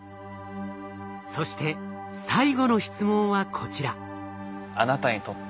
そして最後の質問はこちら。